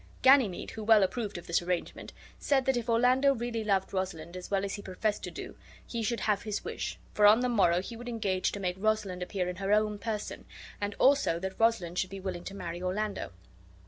Ganymede, who well approved of this arrangement, said that if Orlando really loved Rosalind as well as he professed to do, he should have his wish; for on the morrow he would engage to make Rosalind appear in her own person, and also that Rosalind should be willing to marry Orlando.